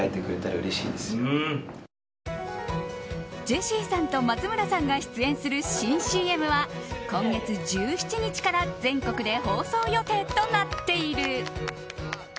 ジェシーさんと松村さんが出演する新ＣＭは今月１７日から全国で放送予定となっている。